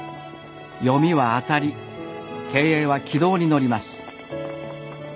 読みは当たり経営は軌道に乗ります。